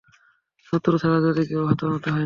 শত্রু ছাড়া যদি কেউ হতাহত হয় না?